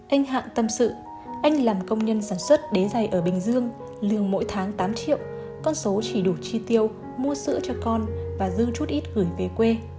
anh hạng tâm sự anh làm công nhân sản xuất đế dày ở bình dương lương mỗi tháng tám triệu con số chỉ đủ chi tiêu mua sữa cho con và dư chút ít gửi về quê